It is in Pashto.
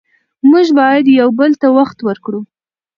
موږ باید یو بل ته وخت ورکړو